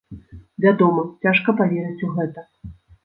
Вядома, цяжка паверыць у гэта.